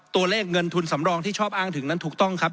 ตัวเลขเงินทุนสำรองที่ชอบอ้างถึงนั้นถูกต้องครับ